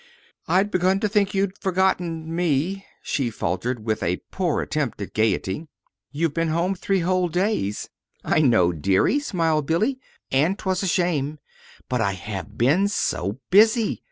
"I'd begun to think you'd forgotten me," she faltered, with a poor attempt at gayety. "You've been home three whole days." "I know, dearie," smiled Billy; "and 'twas a shame. But I have been so busy!